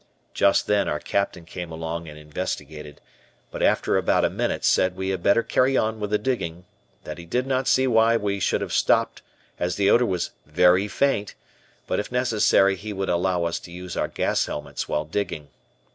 Just then our Captain came along and investigated, but after about a minute said we had better carry on with the digging, that he did not see why we should have stopped as the odor was very faint, but if necessary he would allow us to use our gas helmets while digging.